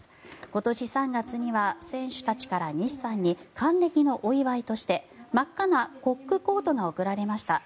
今年３月には選手たちから西さんに還暦のお祝いとして真っ赤なコックコートが贈られました。